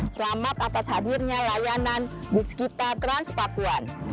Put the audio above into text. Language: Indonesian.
selamat atas hadirnya layanan wiskita transpakuan